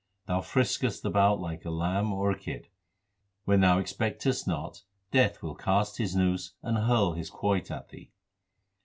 Thou friskest about like a lamb or a kid : When thou expectest not, Death will cast his noose and hurl his quoit at thee.